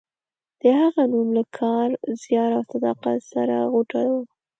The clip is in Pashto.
د هغه نوم له کار، زیار او صداقت سره غوټه و.